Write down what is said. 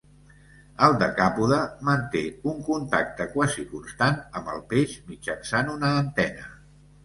El decàpode manté un contacte quasi constant amb el peix mitjançant una antena.